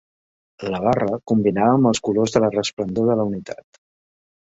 La barra combinava amb els colors de la resplendor de la unitat.